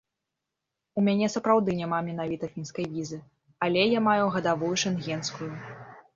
У мяне сапраўды няма менавіта фінскай візы, але я маю гадавую шэнгенскую.